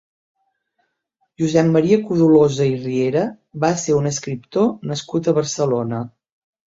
Josep Maria Codolosa i Riera va ser un escriptor nascut a Barcelona.